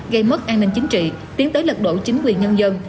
gây mất an ninh chính trị tiến tới lật đổ chính quyền nhân dân